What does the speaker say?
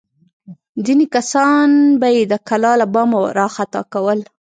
ځینې کسان به یې د کلا له بامه راخطا کول.